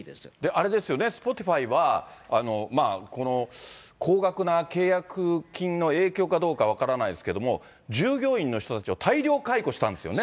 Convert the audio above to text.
あれですよね、スポティファイは、高額な契約金の影響かどうか分からないですけれども、従業員の人たちを大量解雇したんですよね。